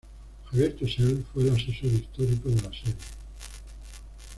Javier Tusell fue el asesor histórico de la serie.